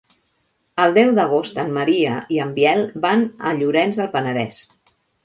El deu d'agost en Maria i en Biel van a Llorenç del Penedès.